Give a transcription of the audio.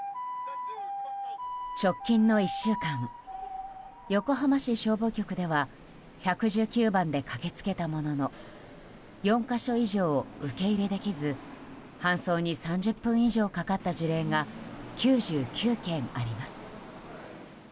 直近の１週間、横浜市消防局では１１９番で駆け付けたものの４か所以上受け入れできず搬送に３０分以上かかった事例が９９件あります。